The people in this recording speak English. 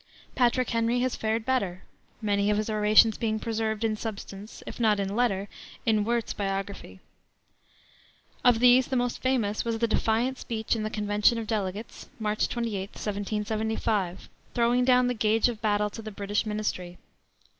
Patrick Henry has fared better, many of his orations being preserved in substance, if not in the letter, in Wirt's biography. Of these the most famous was the defiant speech in the Convention of Delegates, March 28, 1775, throwing down the gauge of battle to the British ministry.